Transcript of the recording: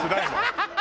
ハハハハ！